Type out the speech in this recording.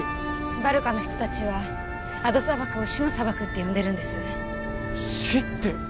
バルカの人たちはアド砂漠を「死の砂漠」って呼んでるんです死って？